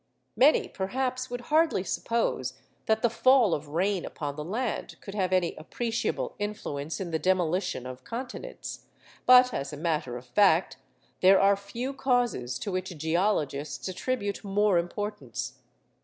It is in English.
Many, perhaps, would hardly suppose that the fall of rain upon the land could have any appreciable influence in the demolition of continents; but, as a matter of fact, there are few causes to which geologists attribute more importance.